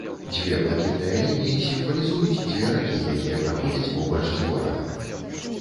Дзве блакітныя лініі сімвалізуюць дзве ракі, якія праходзяць побач з горадам.